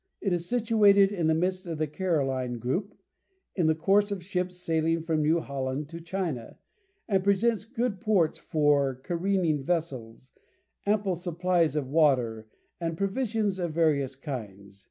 It is situated in the midst of the Caroline group, in the course of ships sailing from New Holland to China, and presents good ports for careening vessels, ample supplies of water, and provisions of various kinds.